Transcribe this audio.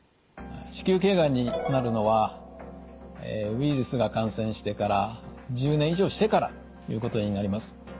子宮頸がんになるのはウイルスが感染してから１０年以上してからということになります。